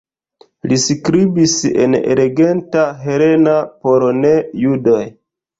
Li skribis en eleganta helena por ne-judoj.